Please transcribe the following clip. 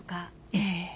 ええ。